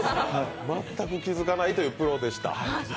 全く気付かないというプロでした。